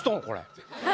これ。